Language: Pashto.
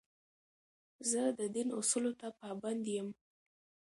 زه د دین اصولو ته پابند یم.